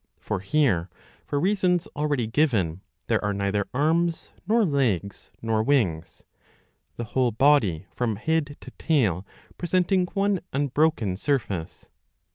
For here, for reasons already given,^ there are neither arms nor legs nor wings, the whole body from head to tail presenting one unbroken surface.